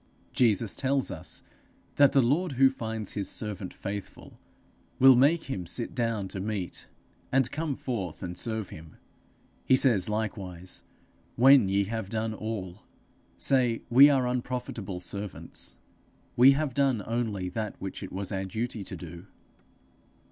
Jesus tells us that the lord who finds his servant faithful, will make him sit down to meat, and come forth and serve him; he says likewise, 'When ye have done all, say we are unprofitable servants; we have done only that which it was our duty to do.'